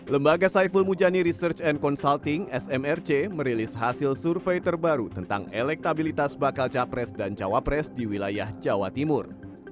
lembaga saiful mujani research and consulting smrc merilis hasil survei terbaru tentang elektabilitas bakal capres dan cawapres di wilayah jawa timur